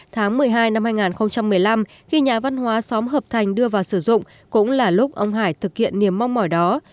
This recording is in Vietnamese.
tháng một mươi hai năm hai nghìn một mươi năm khi nhà văn hóa xóm hợp thành đưa vào sử dụng cũng là lúc ông hải thực hiện niềm mong mỏi đó